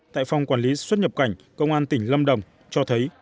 tại phòng quản lý xuất nhập cảnh công an tỉnh lâm đồng cho thấy